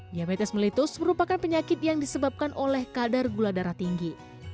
diabetes melitus merupakan penyakit yang disebabkan oleh kadar gula darah tinggi